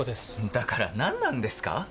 だから何なんですか